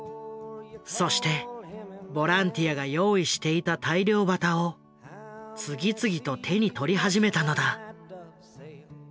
そしてボランティアが用意していた大漁旗を次々と手に取り始めたのだ。